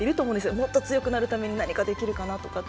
もっと強くなるために何かできるかなって